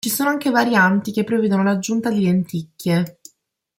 Ci sono anche varianti che prevedono l'aggiunta di lenticchie.